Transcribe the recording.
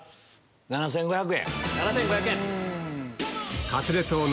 ７５００円。